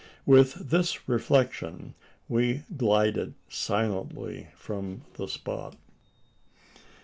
With this reflection, we glided silently from the spot.